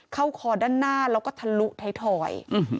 คอด้านหน้าแล้วก็ทะลุท้ายทอย